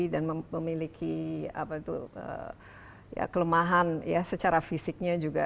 dan memiliki kelemahan secara fisiknya juga